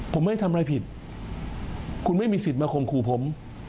ผมไม่ได้ทำอะไรผิดคุณไม่มีสิทธิ์มาข่มขู่ผม